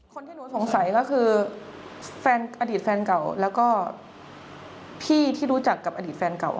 คนที่หนูสงสัยก็คือแฟนอดีตแฟนเก่าแล้วก็พี่ที่รู้จักกับอดีตแฟนเก่า